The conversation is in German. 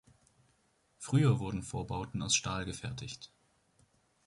Früher wurden Vorbauten aus Stahl gefertigt.